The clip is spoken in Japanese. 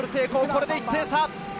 これで１点差。